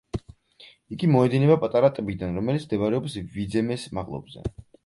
იგი მოედინება პატარა ტბიდან, რომელიც მდებარეობს ვიძემეს მაღლობზე.